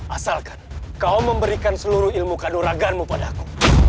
asalkan kau memberikan seluruh ilmu kadoraganmu padaku